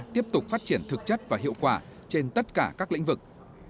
tiếp tục phát triển thực chất và hiệu quả trên tất cả các lĩnh vực